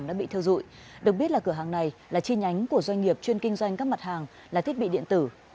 được biết là cửa hàng này là chi nhánh của doanh nghiệp chuyên kinh doanh các mặt hàng là thiết bị điện tử